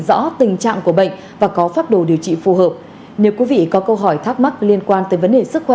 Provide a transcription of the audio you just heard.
xin chào và hẹn gặp lại